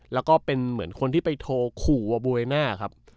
แล้วก็เป็นเหมือนคนที่ไปโทรขู่ว่าบวยหน้าครับ